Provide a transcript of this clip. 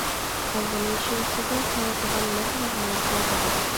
قالغىنى شۇ سىزنىڭ سالىدىغان مەبلىغىڭىزگە باغلىق.